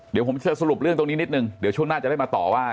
เดี๋ยวผมจะสรุปเรื่องตรงนี้นิดนึงเดี๋ยวช่วงหน้าจะได้มาต่อว่า